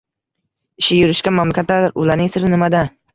Ishi yurishgan mamlakatlar – ularning siri nimada?